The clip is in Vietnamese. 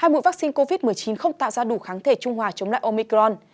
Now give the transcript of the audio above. hai mũi vaccine covid một mươi chín không tạo ra đủ kháng thể trung hòa chống lại omicron